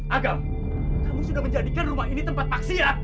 agam kamu sudah menjadikan rumah ini tempat paksian